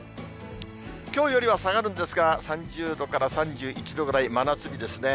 きょうよりは下がるんですが、３０度から３１度ぐらい、真夏日ですね。